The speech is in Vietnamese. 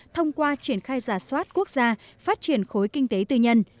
thông qua triển khai giả soát quốc gia phát triển khối kinh tế tư nhân